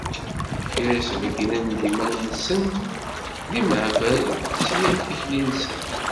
Kra sbeyynen-d iman-nsen d imehbal, s yir tikli-nsen.